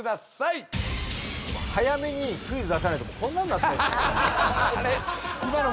早めにクイズ出さないとこんなんなっちゃう。